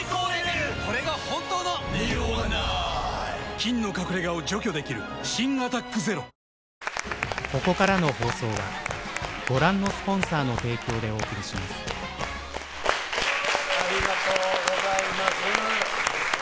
菌の隠れ家を除去できる新「アタックＺＥＲＯ」ありがとうございます。